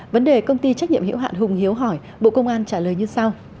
vấn đề công ty trách nhiệm hiểu hạn hùng hiếu hỏi bộ công an trả lời như sau